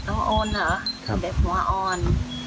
อ๋ออนเหรอเขาแบบหัวอ่อน